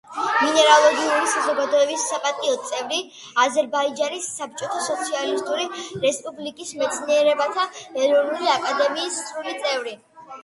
მინერალოგიური საზოგადოების საპატიო წევრი, აზერბაიჯანის საბჭოთა სოციალისტური რესპუბლიკის მეცნიერებათა ეროვნული აკადემიის სრული წევრი.